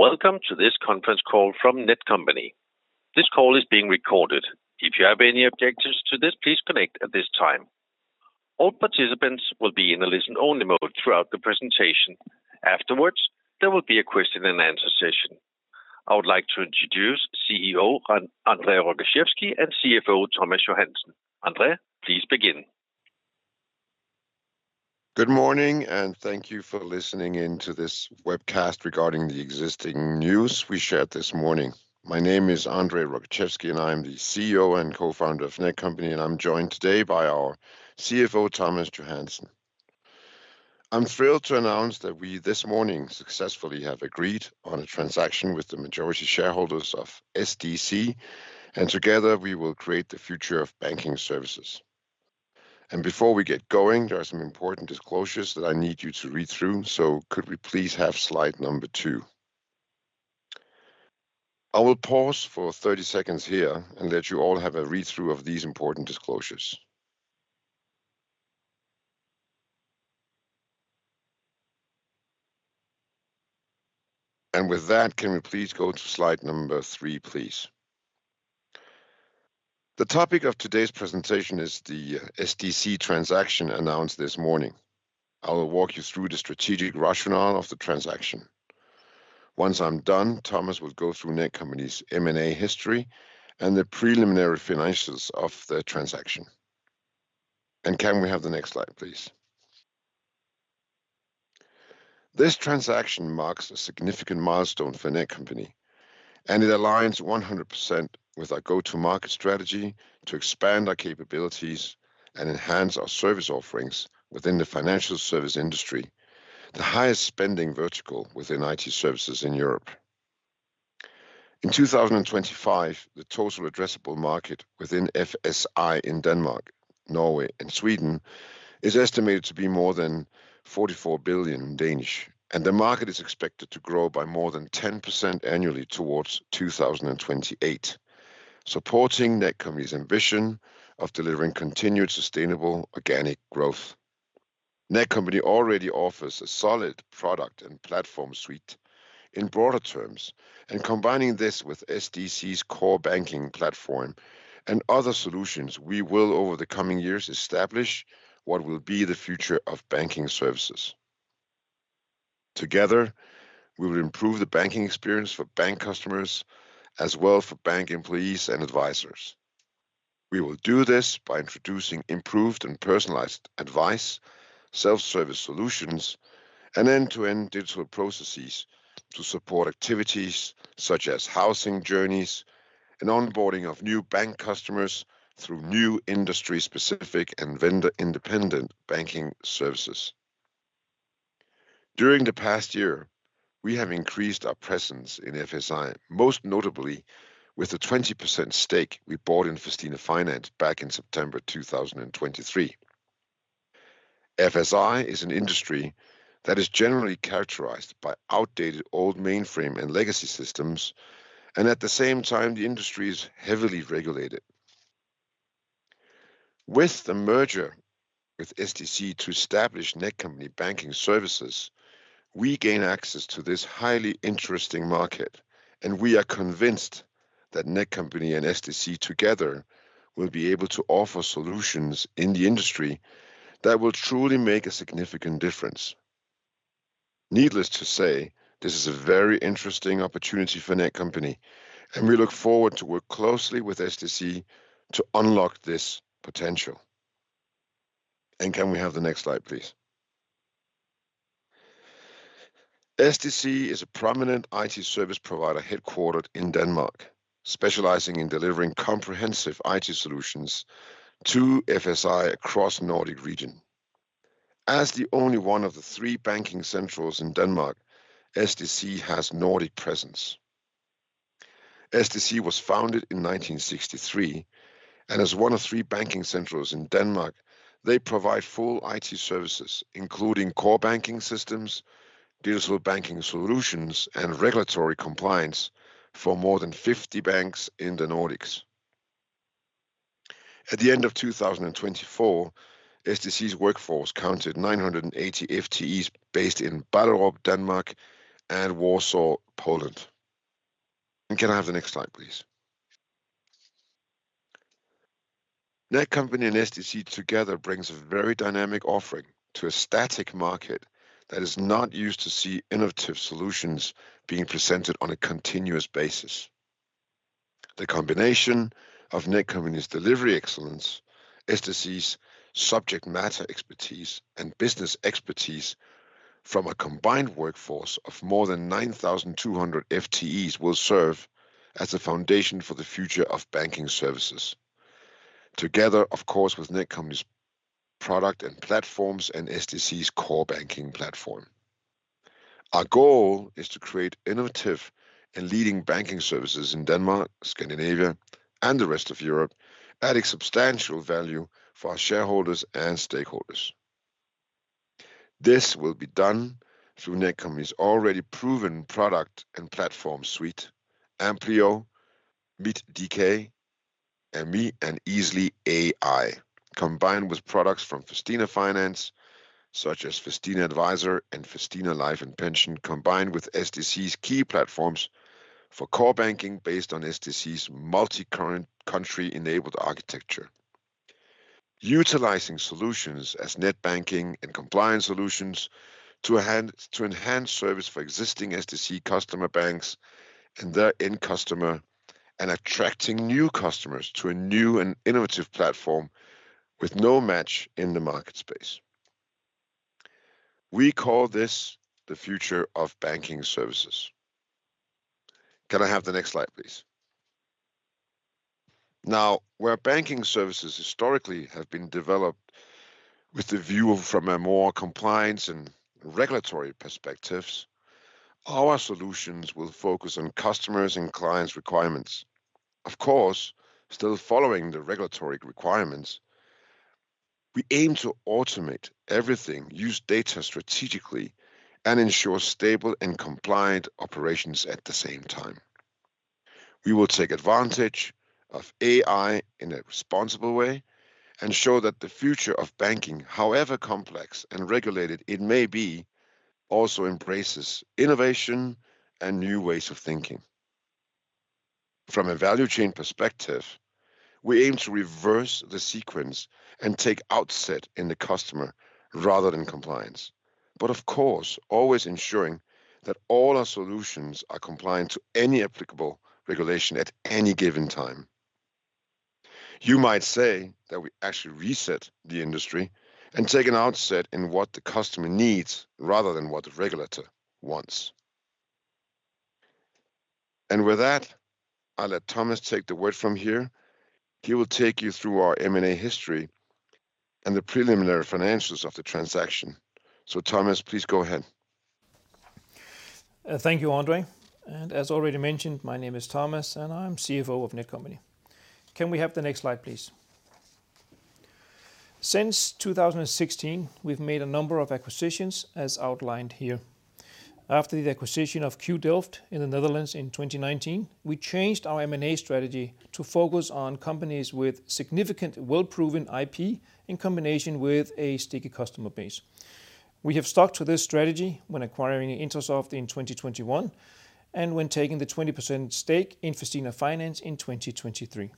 Welcome to this conference call from Netcompany. This call is being recorded. If you have any objections to this, please connect at this time. All participants will be in a listen-only mode throughout the presentation. Afterwards, there will be a question-and-answer session. I would like to introduce CEO André Rogaczewski and CFO Thomas Johansen. André, please begin. Good morning, and thank you for listening in to this webcast regarding the exciting news we shared this morning. My name is André Rogaczewski, and I am the CEO and co-founder of Netcompany. I'm joined today by our CFO, Thomas Johansen. I'm thrilled to announce that we this morning successfully have agreed on a transaction with the majority shareholders of SDC, and together we will create the future of banking services. Before we get going, there are some important disclosures that I need you to read through, so could we please have slide number two? I will pause for 30 seconds here and let you all have a read-through of these important disclosures. With that, can we please go to slide number three, please? The topic of today's presentation is the SDC transaction announced this morning. I will walk you through the strategic rationale of the transaction. Once I'm done, Thomas will go through Netcompany's M&A history and the preliminary financials of the transaction. Can we have the next slide, please? This transaction marks a significant milestone for Netcompany. It aligns 100% with our go-to-market strategy to expand our capabilities and enhance our service offerings within the financial service industry, the highest spending vertical within IT services in Europe. In 2025, the total addressable market within FSI in Denmark, Norway, and Sweden is estimated to be more than 44 billion, and the market is expected to grow by more than 10% annually towards 2028, supporting Netcompany's ambition of delivering continued sustainable organic growth. Netcompany already offers a solid product and platform suite in broader terms, and combining this with SDC's core banking platform and other solutions, we will, over the coming years, establish what will be the future of banking services. Together, we will improve the banking experience for bank customers as well as for bank employees and advisors. We will do this by introducing improved and personalized advice, self-service solutions, and end-to-end digital processes to support activities such as housing journeys and onboarding of new bank customers through new industry-specific and vendor-independent banking services. During the past year, we have increased our presence in FSI, most notably with the 20% stake we bought in Festina Finance back in September 2023. FSI is an industry that is generally characterized by outdated old mainframe and legacy systems, and at the same time, the industry is heavily regulated. With the merger with SDC to establish Netcompany Banking Services, we gain access to this highly interesting market, and we are convinced that Netcompany and SDC together will be able to offer solutions in the industry that will truly make a significant difference. Needless to say, this is a very interesting opportunity for Netcompany. We look forward to working closely with SDC to unlock this potential. Can we have the next slide, please? SDC is a prominent IT service provider headquartered in Denmark, specializing in delivering comprehensive IT solutions to FSI across the Nordic region. As the only one of the three banking centrals in Denmark, SDC has a Nordic presence. SDC was founded in 1963, and as one of three banking centrals in Denmark, they provide full IT services, including core banking systems, digital banking solutions, and regulatory compliance for more than 50 banks in the Nordics. At the end of 2024, SDC's workforce counted 980 FTEs based in Ballerup, Denmark, and Warsaw, Poland. Can I have the next slide, please? Netcompany and SDC together bring a very dynamic offering to a static market that is not used to seeing innovative solutions being presented on a continuous basis. The combination of Netcompany's delivery excellence, SDC's subject matter expertise, and business expertise from a combined workforce of more than 9,200 FTEs will serve as the foundation for the future of banking services, together, of course, with Netcompany's product and platforms and SDC's core banking platform. Our goal is to create innovative and leading banking services in Denmark, Scandinavia, and the rest of Europe, adding substantial value for our shareholders and stakeholders. This will be done through Netcompany's already proven product and platform suite, Amplio, mit.dk, and Easly AI, combined with products from Festina Finance, such as Festina Advisor and Festina Life and Pension, combined with SDC's key platforms for core banking based on SDC's multi-country enabled architecture, utilizing solutions as net banking and compliance solutions to enhance service for existing SDC customer banks and their end customer, and attracting new customers to a new and innovative platform with no match in the market space. We call this the future of banking services. Can I have the next slide, please? Now, where banking services historically have been developed with the view from a more compliance and regulatory perspective, our solutions will focus on customers' and clients' requirements. Of course, still following the regulatory requirements, we aim to automate everything, use data strategically, and ensure stable and compliant operations at the same time. We will take advantage of AI in a responsible way and show that the future of banking, however complex and regulated it may be, also embraces innovation and new ways of thinking. From a value chain perspective, we aim to reverse the sequence and take outset in the customer rather than compliance, but of course, always ensuring that all our solutions are compliant to any applicable regulation at any given time. You might say that we actually reset the industry and take an outset in what the customer needs rather than what the regulator wants. With that, I'll let Thomas take the word from here. He will take you through our M&A history and the preliminary financials of the transaction. Thomas, please go ahead. Thank you, André. As already mentioned, my name is Thomas and I'm CFO of Netcompany. Can we have the next slide, please? Since 2016, we've made a number of acquisitions as outlined here. After the acquisition of QDelft in the Netherlands in 2019, we changed our M&A strategy to focus on companies with significant well-proven IP in combination with a sticky customer base. We have stuck to this strategy when acquiring Intrasoft in 2021 and when taking the 20% stake in Festina Finance in 2023.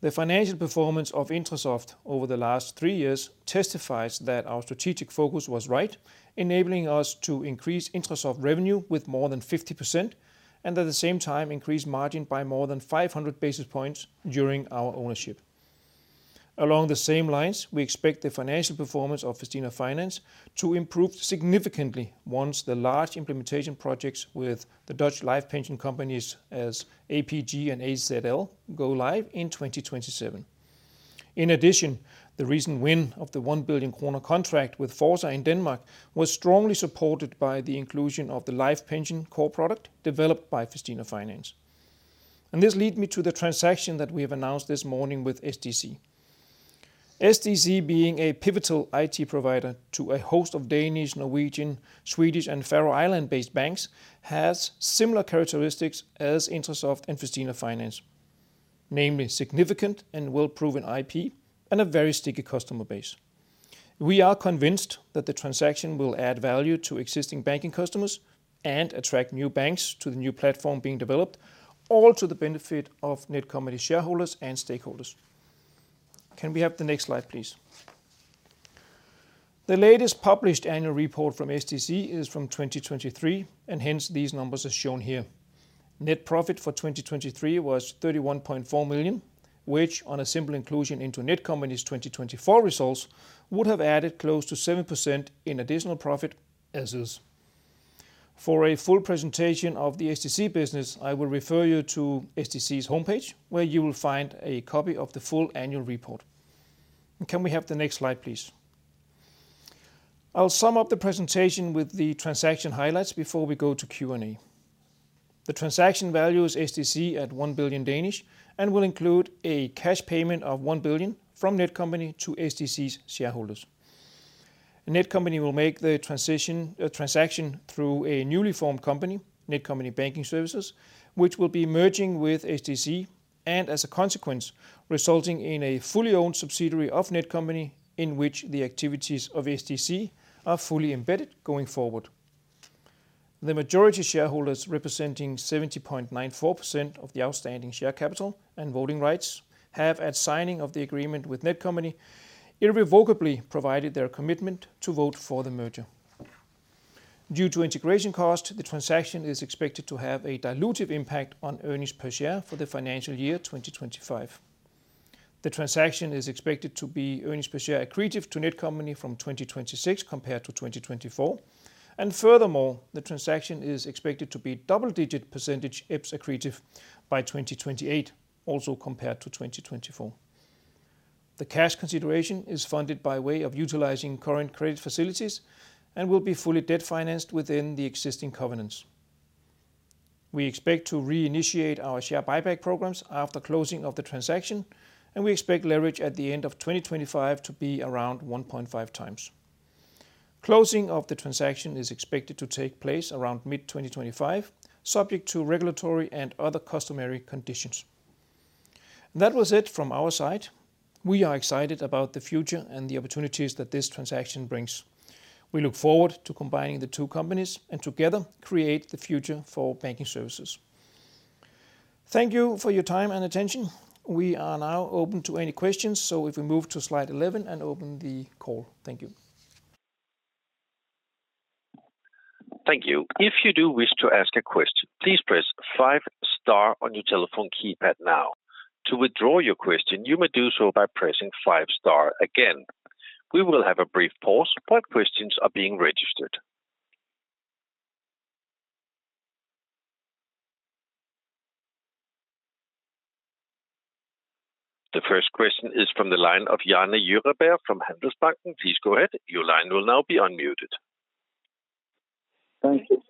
The financial performance of Intrasoft over the last three years testifies that our strategic focus was right, enabling us to increase Intrasoft revenue with more than 50% and at the same time increase margin by more than 500 basis points during our ownership. Along the same lines, we expect the financial performance of Festina Finance to improve significantly once the large implementation projects with the Dutch life pension companies as APG and AZL go live in 2027. In addition, the recent win of the 1 billion kroner contract with Fors in Denmark was strongly supported by the inclusion of the life pension core product developed by Festina Finance. This leads me to the transaction that we have announced this morning with SDC. SDC, being a pivotal IT provider to a host of Danish, Norwegian, Swedish, and Faroe Islands-based banks, has similar characteristics as Intrasoft and Festina Finance, namely significant and well-proven IP and a very sticky customer base. We are convinced that the transaction will add value to existing banking customers and attract new banks to the new platform being developed, all to the benefit of Netcompany's shareholders and stakeholders. Can we have the next slide, please? The latest published annual report from SDC is from 2023, and hence these numbers are shown here. Net profit for 2023 was 31.4 million, which on a simple inclusion into Netcompany's 2024 results would have added close to 7% in additional profit as is. For a full presentation of the SDC business, I will refer you to SDC's homepage, where you will find a copy of the full annual report. Can we have the next slide, please? I'll sum up the presentation with the transaction highlights before we go to Q&A. The transaction values SDC at 1 billion and will include a cash payment of 1 billion from Netcompany to SDC's shareholders. Netcompany will make the transaction through a newly formed company, Netcompany Banking Services, which will be merging with SDC and as a consequence, resulting in a fully owned subsidiary of Netcompany in which the activities of SDC are fully embedded going forward. The majority shareholders representing 70.94% of the outstanding share capital and voting rights have, at signing of the agreement with Netcompany irrevocably provided their commitment to vote for the merger. Due to integration costs, the transaction is expected to have a dilutive impact on earnings per share for the financial year 2025. The transaction is expected to be earnings per share accretive to Netcompany from 2026 compared to 2024. Furthermore, the transaction is expected to be double-digit percentage EPS accretive by 2028, also compared to 2024. The cash consideration is funded by way of utilizing current credit facilities and will be fully debt financed within the existing covenants. We expect to reinitiate our share buyback programs after closing of the transaction, and we expect leverage at the end of 2025 to be around 1.5 times. Closing of the transaction is expected to take place around mid-2025, subject to regulatory and other customary conditions. That was it from our side. We are excited about the future and the opportunities that this transaction brings. We look forward to combining the two companies and together create the future for banking services. Thank you for your time and attention. We are now open to any questions, so if we move to slide 11 and open the call. Thank you. Thank you. If you do wish to ask a question, please press five stars on your telephone keypad now. To withdraw your question, you may do so by pressing five stars again. We will have a brief pause, but questions are being registered. The first question is from the line of Daniel Djurberg from Handelsbanken. Please go ahead. Your line will now be unmuted. Thank you.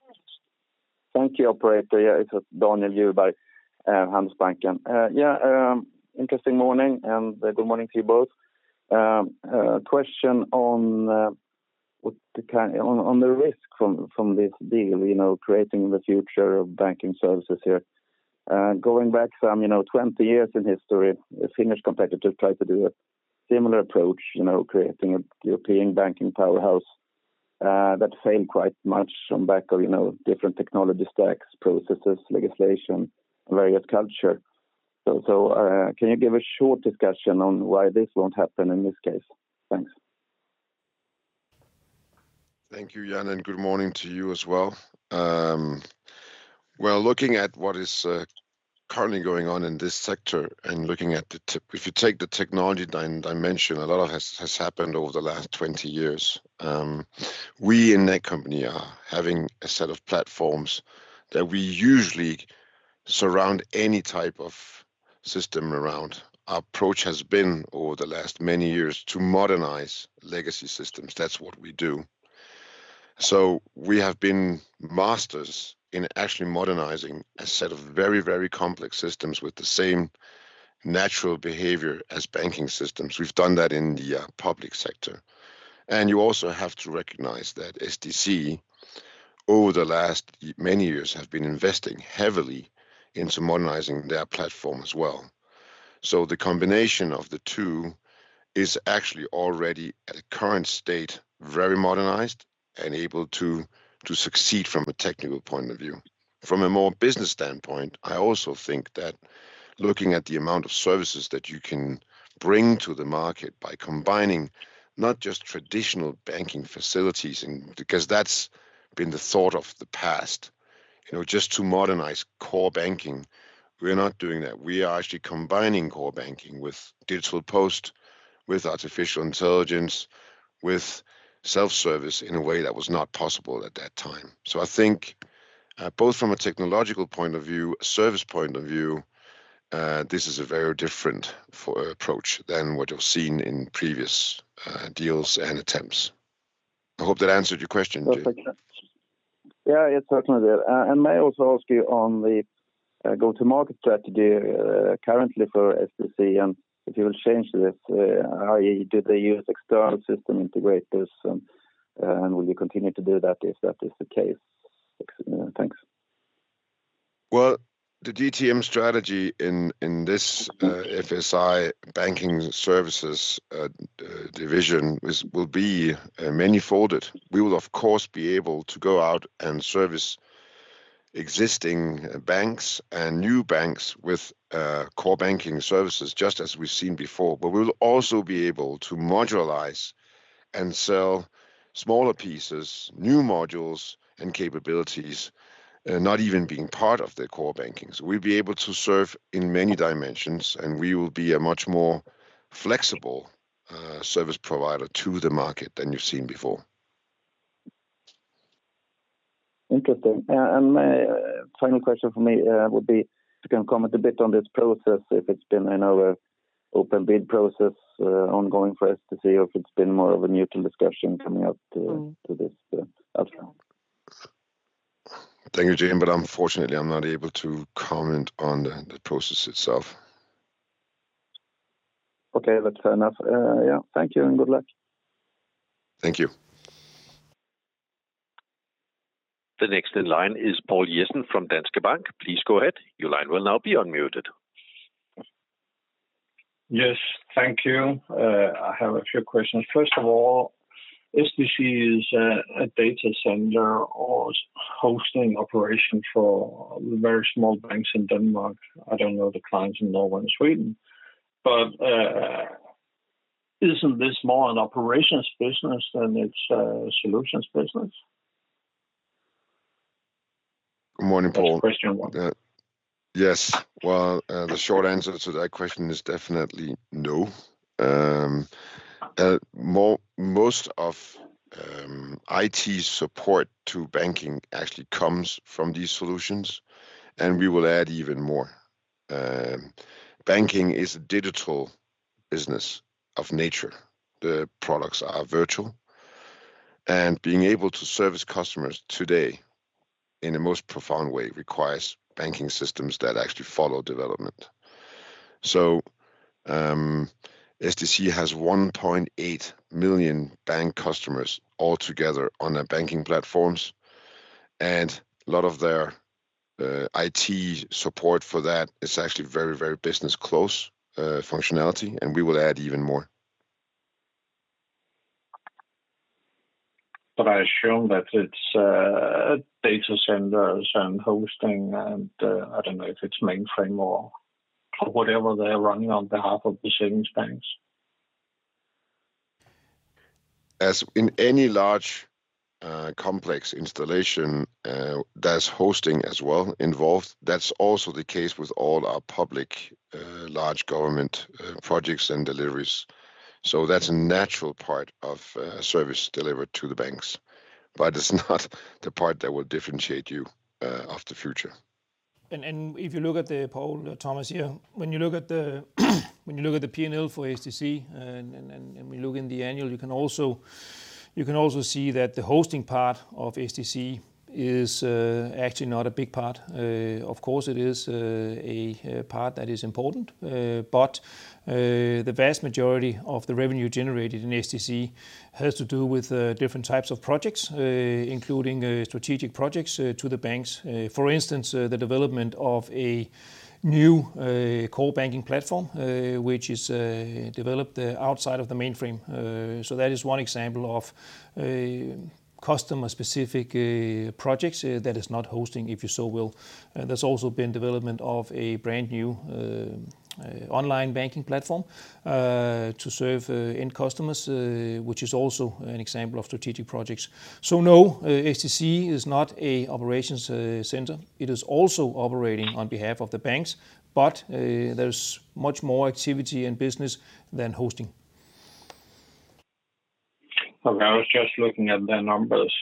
Thank you, Operator. It's Daniel Djurberg from Handelsbanken. Interesting morning and good morning to you both. Question on the risk from this deal, creating the future of banking services here. Going back some 20 years in history, Finnish competitors tried to do a similar approach, creating a European banking powerhouse that failed quite much on the back of different technology stacks, processes, legislation, and various cultures. Can you give a short discussion on why this won't happen in this case? Thanks. Thank you, Dan, and good morning to you as well. Looking at what is currently going on in this sector and looking at the technology dimension, a lot has happened over the last 20 years. We in Netcompany are having a set of platforms that we usually surround any type of system around. Our approach has been over the last many years to modernize legacy systems. That's what we do. We have been masters in actually modernizing a set of very, very complex systems with the same natural behavior as banking systems. We've done that in the public sector. You also have to recognize that SDC, over the last many years, has been investing heavily into modernizing their platform as well. The combination of the two is actually already, at the current state, very modernized and able to succeed from a technical point of view. From a more business standpoint, I also think that looking at the amount of services that you can bring to the market by combining not just traditional banking facilities, because that's been the thought of the past, just to modernize core banking, we're not doing that. We are actually combining core banking with Digital Post, with artificial intelligence, with self-service in a way that was not possible at that time. I think both from a technological point of view, service point of view, this is a very different approach than what you've seen in previous deals and attempts. I hope that answered your question. Yeah, it certainly did. May I also ask you on the go-to-market strategy currently for SDC, and if you will change this, how do they use external system integrators? Will you continue to do that if that is the case? Thanks. The DTM strategy in this FSI banking services division will be many-folded. We will, of course, be able to go out and service existing banks and new banks with core banking services, just as we've seen before. But we will also be able to modularize and sell smaller pieces, new modules, and capabilities, not even being part of the core banking. We'll be able to serve in many dimensions, and we will be a much more flexible service provider to the market than you've seen before. Interesting. My final question for me would be: can you comment a bit on this process? If it's been an open bid process ongoing for SDC, or if it's been more of a mutual discussion coming up to this? Thank you, Dan, but unfortunately, I'm not able to comment on the process itself. Okay, that's enough. Thank you and good luck. Thank you. The next in line is Poul Jessen from Danske Bank. Please go ahead. Your line will now be unmuted. Yes, thank you. I have a few questions. First of all, SDC is a data center or hosting operation for very small banks in Denmark. I don't know the clients in Norway and Sweden, but isn't this more an operations business than it's a solutions business? Good morning, Poul. That's question one. Yes. Well, the short answer to that question is definitely no. Most of IT support to banking actually comes from these solutions, and we will add even more. Banking is a digital business of nature. The products are virtual, and being able to service customers today in the most profound way requires banking systems that actually follow development. SDC has 1.8 million bank customers altogether on their banking platforms, and a lot of their IT support for that is actually very, very business-close functionality, and we will add even more. But I assume that it's data centers and hosting, and I don't know if it's mainframe or whatever they're running on behalf of the savings banks. In any large complex installation, there's hosting as well involved. That's also the case with all our public large government projects and deliveries. That's a natural part of service delivered to the banks, but it's not the part that will differentiate you in the future. If you look at the P&L for SDC, Poul, Thomas, here, when you look at the annual, you can also see that the hosting part of SDC is actually not a big part. Of course, it is a part that is important, but the vast majority of the revenue generated in SDC has to do with different types of projects, including strategic projects to the banks. For instance, the development of a new core banking platform, which is developed outside of the mainframe. That is one example of customer-specific projects that is not hosting, if you so will. There's also been development of a brand new online banking platform to serve end customers, which is also an example of strategic projects. No, SDC is not an operations center. It is also operating on behalf of the banks, but there's much more activity and business than hosting. I was just looking at the numbers.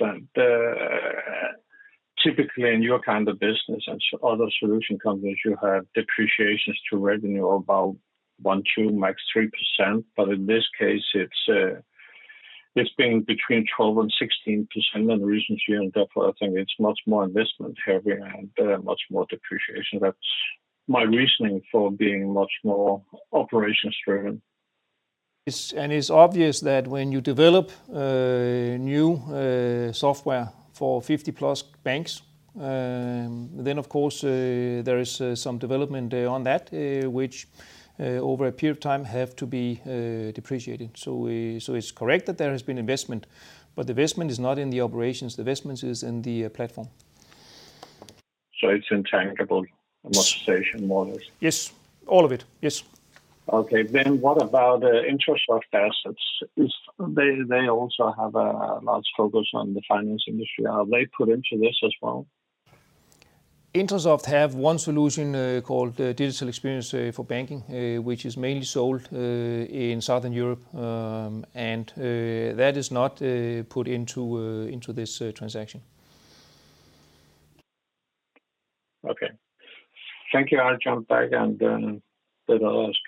Typically, in your kind of business and other solution companies, you have depreciations to revenue of about one, two, max three%. But in this case, it's been between 12 and 16% in recent years. Therefore, I think it's much more investment heavy and much more depreciation. That's my reasoning for being much more operations-driven. It's obvious that when you develop new software for 50+ banks, then, of course, there is some development on that, which over a period of time has to be depreciated. It's correct that there has been investment, but the investment is not in the operations. The investment is in the platform. It's intangible amortization models. Yes, all of it. Yes. Okay. Then what about Intrasoft assets? They also have a large focus on the finance industry. Are they put into this as well? Intrasoft have one solution called Digital Experience for Banking, which is mainly sold in Southern Europe, and that is not put into this transaction. Okay. Thank you. I'll jump back and then I'll ask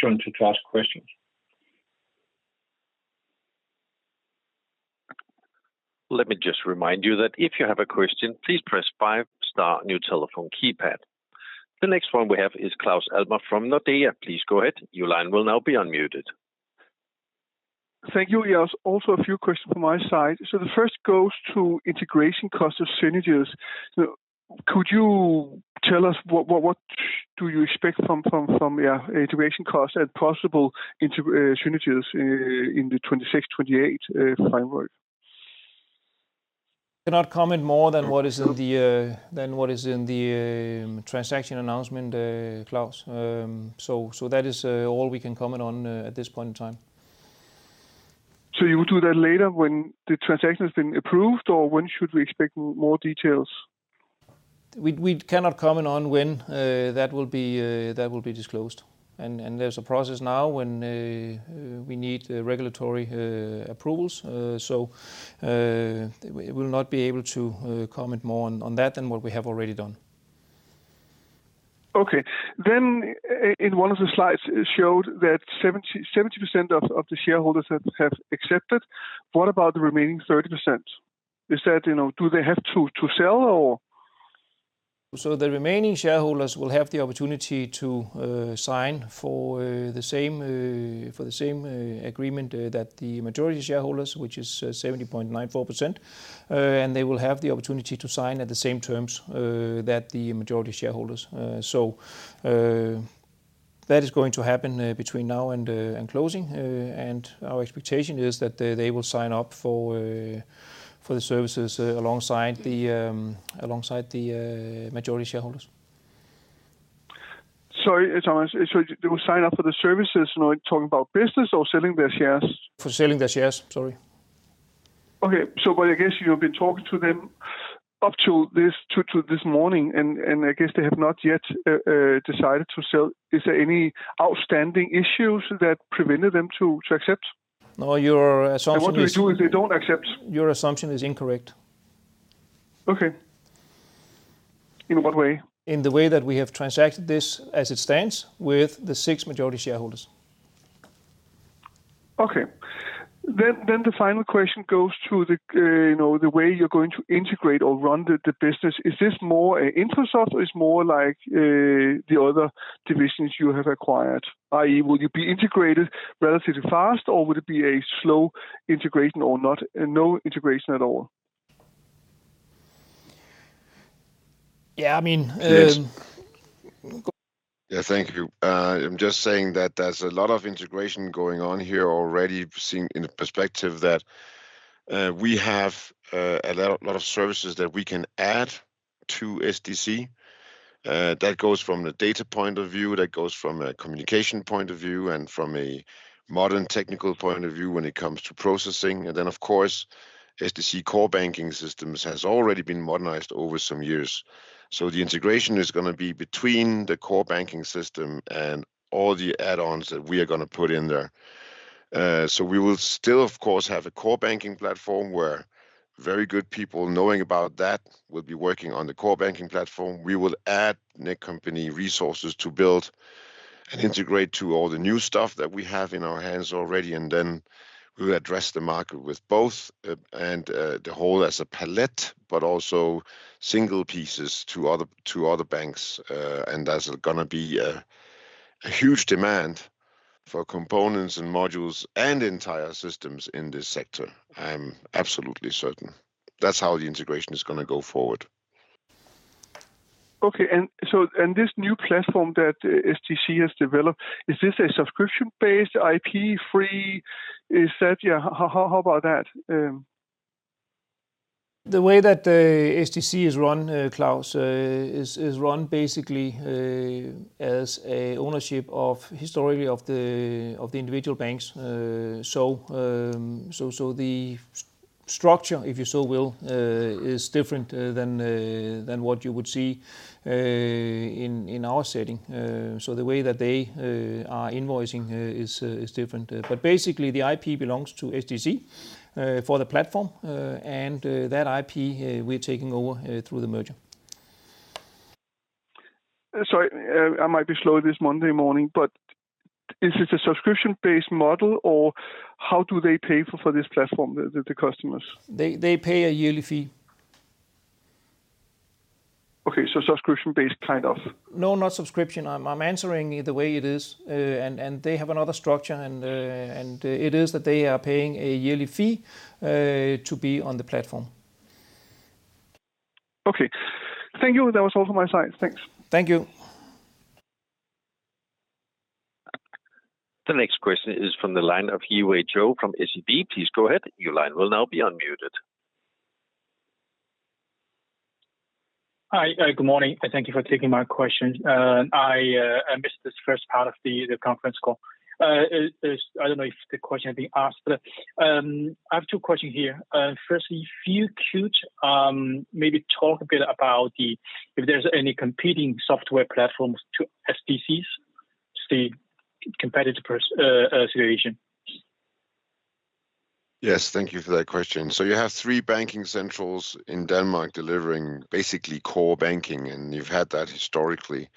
John to ask questions. Let me just remind you that if you have a question, please press five star, new telephone keypad. The next one we have is Claus Almer from Nordea. Please go ahead. Your line will now be unmuted. Thank you. There's also a few questions from my side. The first goes to integration cost of synergies. Could you tell us what do you expect from integration costs and possible synergies in the 2026-2028 framework? Cannot comment more than what is in the transaction announcement, Claus. That is all we can comment on at this point in time. So you will do that later when the transaction has been approved, or when should we expect more details? We cannot comment on when that will be disclosed. There's a process now when we need regulatory approvals. We will not be able to comment more on that than what we have already done. Okay. Then in one of the slides showed that 70% of the shareholders have accepted. What about the remaining 30%? Do they have to sell or? The remaining shareholders will have the opportunity to sign for the same agreement that the majority shareholders, which is 70.94%, and they will have the opportunity to sign at the same terms that the majority shareholders. That is going to happen between now and closing. Our expectation is that they will sign up for the services alongside the majority shareholders. Thomas, they will sign up for the services, talking about business or selling their shares? For selling their shares, sorry. Okay. But I guess you've been talking to them up to this morning, and I guess they have not yet decided to sell. Is there any outstanding issues that prevented them to accept? No, your assumption is. What do you do if they don't accept? Your assumption is incorrect. Okay. In what way? In the way that we have transacted this as it stands with the six majority shareholders. Okay. Then the final question goes to the way you're going to integrate or run the business. Is this more Intrasoft or is it more like the other divisions you have acquired? Will you be integrated relatively fast, or will it be a slow integration or no integration at all? Yeah, I mean. Yes. Thank you. I'm just saying that there's a lot of integration going on here already. In perspective, we have a lot of services that we can add to SDC. That goes from the data point of view, that goes from a communication point of view, and from a modern technical point of view when it comes to processing. Then, of course, SDC core banking systems have already been modernized over some years. The integration is going to be between the core banking system and all the add-ons that we are going to put in there. We will still, of course, have a core banking platform where very good people knowing about that will be working on the core banking platform. We will add Netcompany resources to build and integrate to all the new stuff that we have in our hands already. Then we will address the market with both and the whole as a palette, but also single pieces to other banks. There's going to be a huge demand for components and modules and entire systems in this sector. I'm absolutely certain. That's how the integration is going to go forward. Okay. This new platform that SDC has developed, is this a subscription-based IP-free? How about that? The way that SDC is run, Claus, is run basically as ownership of historically of the individual banks. The structure, if you so will, is different than what you would see in our setting. The way that they are invoicing is different. Basically, the IP belongs to SDC for the platform, and that IP we're taking over through the merger. Sorry, I might be slow this Monday morning, but is this a subscription-based model, or how do they pay for this platform, the customers? They pay a yearly fee. Okay. Subscription-based, kind of. No, not subscription. I'm answering the way it is. They have another structure, and it is that they are paying a yearly fee to be on the platform. Okay. Thank you. That was all from my side. Thanks. Thank you. The next question is from the line of Yiwei Zhou from SEB. Please go ahead. Your line will now be unmuted. Hi. Good morning. Thank you for taking my question. I missed this first part of the conference call. I don't know if the question is being asked. I have two questions here. Firstly, if you could maybe talk a bit about if there's any competing software platforms to SDC's, to see competitor situation? Yes. Thank you for that question. You have three banking centrals in Denmark delivering basically core banking, and you've had that historically,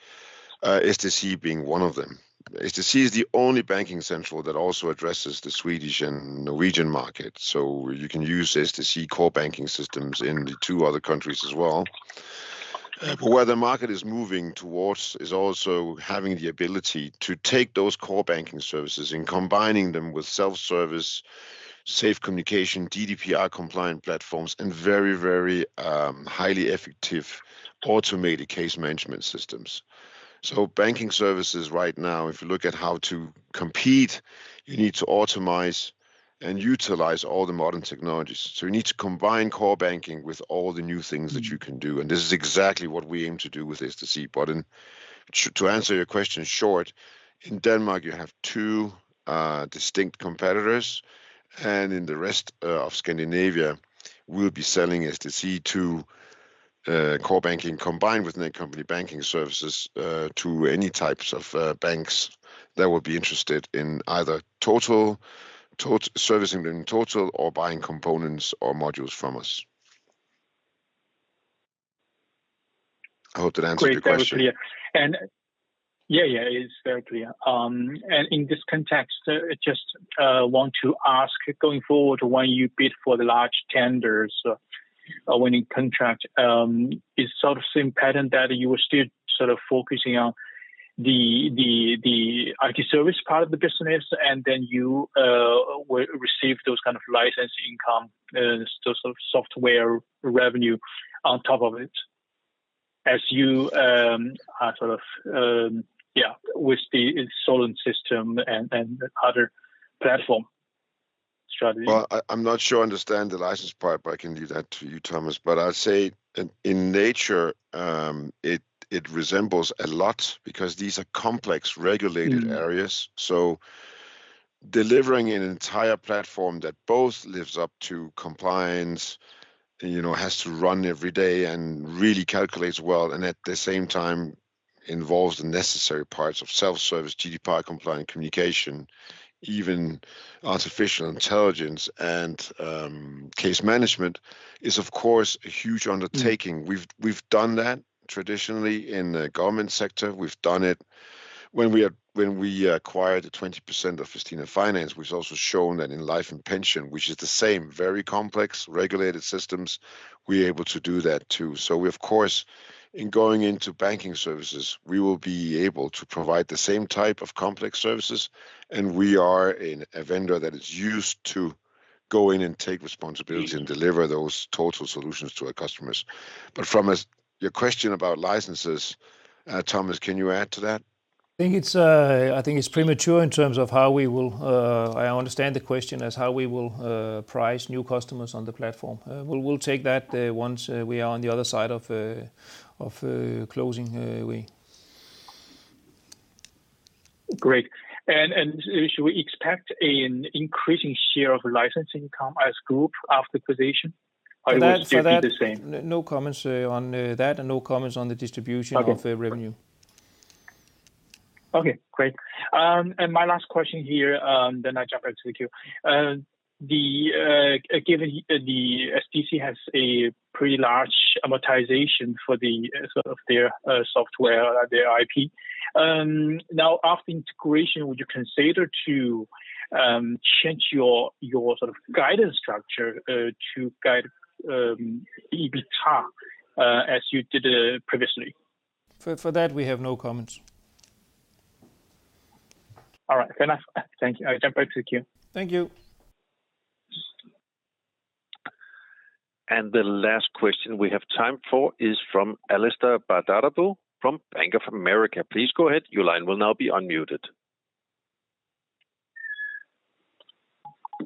SDC being one of them. SDC is the only banking central that also addresses the Swedish and Norwegian market. You can use SDC core banking systems in the two other countries as well. Where the market is moving towards is also having the ability to take those core banking services and combining them with self-service, safe communication, GDPR-compliant platforms, and very, very highly effective automated case management systems. Banking services right now, if you look at how to compete, you need to optimize and utilize all the modern technologies. You need to combine core banking with all the new things that you can do. This is exactly what we aim to do with SDC. But to answer your question shortly, in Denmark, you have two distinct competitors. In the rest of Scandinavia, we'll be selling SDC to core banking combined with Netcompany Banking Services to any types of banks that will be interested in either servicing them in total or buying components or modules from us. I hope that answers your question. Yeah, yeah, it's very clear. In this context, I just want to ask, going forward, when you bid for the large tenders or winning contract, is it the same pattern that you were still focusing on the IT service part of the business, and then you receive those kind of license income, software revenue on top of it as you sort of with the Solon system and other platform strategy? I'm not sure I understand the license part, but I can leave that to you, Thomas. But I'd say in nature, it resembles a lot because these are complex regulated areas. Delivering an entire platform that both lives up to compliance, has to run every day, and really calculates well, and at the same time involves the necessary parts of self-service, GDPR-compliant communication, even artificial intelligence and case management is, of course, a huge undertaking. We've done that traditionally in the government sector. We've done it when we acquired 20% of Festina Finance. We've also shown that in life and pension, which is the same very complex regulated systems, we're able to do that too. Of course, in going into banking services, we will be able to provide the same type of complex services, and we are a vendor that is used to go in and take responsibility and deliver those total solutions to our customers. But from your question about licenses, Thomas, can you add to that? I think it's premature in terms of how we will. I understand the question as how we will price new customers on the platform. We'll take that once we are on the other side of closing. Anyway. Great. Should we expect an increasing share of licensing come as group after acquisition? Or will it still be the same? No comments on that and no comments on the distribution of revenue. Okay. Great. My last question here, then I'll jump back to you. Given the SDC has a pretty large amortization for their software, their IP, now after integration, would you consider to change your guidance structure to guide EBITDA as you did previously? For that, we have no comments. All right. Thank you. I'll jump back to you. Thank you. The last question we have time for is from Alastair Badarabu from Bank of America. Please go ahead. Your line will now be unmuted.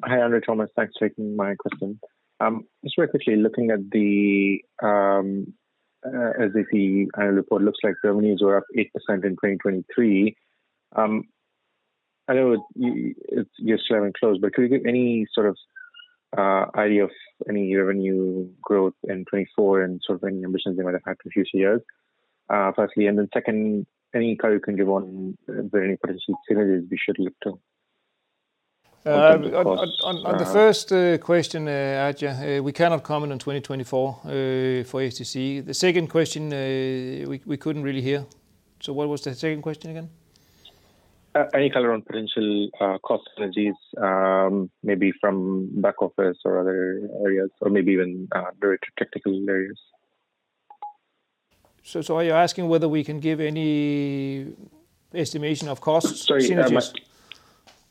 Hi, André, Thomas. Thanks for taking my question. Just very quickly, looking at the SDC annual report, it looks like revenues were up 8% in 2023. I know it's year-to-year close, but could you give any sort of idea of any revenue growth in 2024 and sort of any ambitions you might have had for a few years? Firstly, and then second, any color you can give on any potential synergies we should look to? On the first question, we cannot comment on 2024 for SDC. The second question, we couldn't really hear. What was the second question again? Any color on potential cost synergies maybe from back office or other areas or maybe even direct technical areas? Are you asking whether we can give any estimation of cost synergies?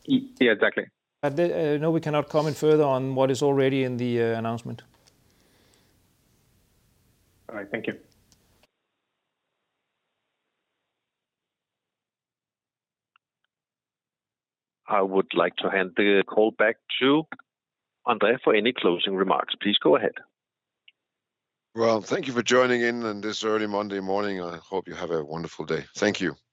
Yeah, exactly. No, we cannot comment further on what is already in the announcement. All right. Thank you. I would like to hand the call back to André for any closing remarks. Please go ahead. Thank you for joining in on this early Monday morning. I hope you have a wonderful day. Thank you.